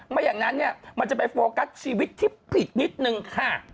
ไม่อย่างนั้นเนี่ยมันจะไปโฟกัสชีวิตที่ผิดนิดนึงค่ะ